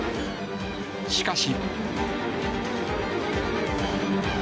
しかし。